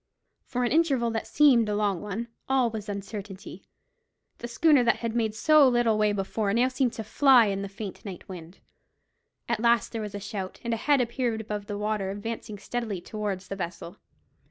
For an interval that seemed a long one, all was uncertainty. The schooner that had made so little way before seemed now to fly in the faint night wind. At last there was a shout, and a head appeared above the water advancing steadily towards the vessel.